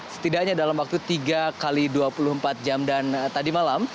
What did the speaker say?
setidaknya dalam waktu tiga x dua puluh empat jam dan tadi malam